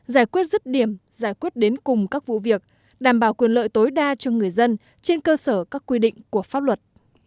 giải quyết rứt điểm giải quyết đến cùng các vụ việc đảm bảo quyền lợi tối đa cho người dân trên cơ sở các quy định của pháp luật